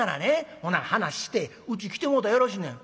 ほな話してうち来てもうたらよろしいねん」。